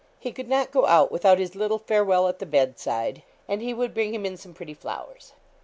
He could not go out without his little farewell at the bed side, and he would bring him in some pretty flowers.